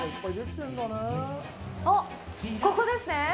あっ、ここですね？